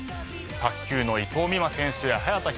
卓球の伊藤美誠選手や早田ひな選手。